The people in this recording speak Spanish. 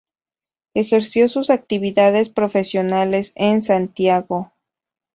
Ejerció sus actividades profesionales en Santiago.